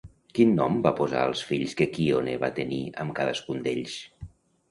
Quin nom van posar als fills que Quíone va tenir amb cadascun d'ells?